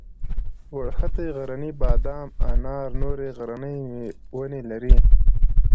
وړښتی غرنی بادام انار نورې غرنۍ ونې دي.